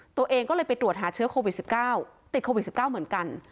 ตัวเองก็เลยไปตรวจหาเชื้อโควิด๑๙ติดโควิด๑๙เหมือนกัน